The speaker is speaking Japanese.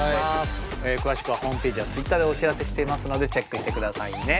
詳しくはホームページやツイッターでお知らせしていますのでチェックしてくださいね！